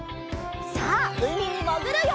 さあうみにもぐるよ！